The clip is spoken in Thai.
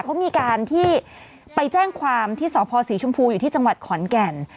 เขามีการที่ไปแจ้งความที่สพศรีชมพูอยู่ที่จังหวัดขอนแก่น